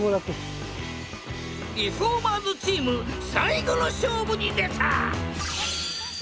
リフォーマーズチーム最後の勝負に出た！